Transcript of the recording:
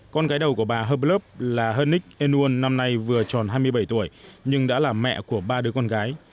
con gái đầu của bà herblub là hân ních enun năm nay vừa tròn hai mươi bảy tuổi nhưng đã là mẹ của ba đứa con gái